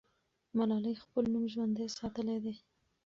ملالۍ خپل نوم ژوندی ساتلی دی.